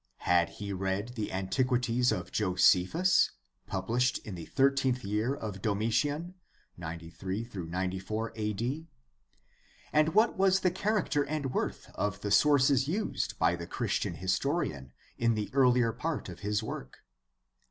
Had he read the Antiquities of Josephus, pub lished in the thirteenth year of Domitian, 93 94 a.d. ? And what was the character and worth of the sources used by the Christian historian in the earlier part of his work?